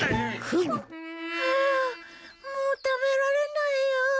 フゥもう食べられないよ。